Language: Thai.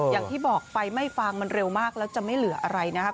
อย่างที่บอกไฟไหม้ฟางมันเร็วมากแล้วจะไม่เหลืออะไรนะครับ